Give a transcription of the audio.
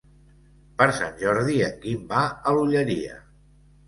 Per Sant Jordi en Guim va a l'Olleria.